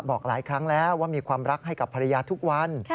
บอกหลายครั้งแล้วว่ามีความรักให้กับภรรยาทุกวัน